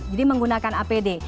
jadi menggunakan apd